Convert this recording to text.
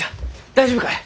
大丈夫かえ？